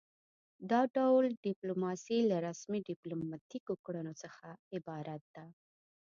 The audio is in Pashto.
دا ډول ډیپلوماسي له رسمي ډیپلوماتیکو کړنو څخه عبارت ده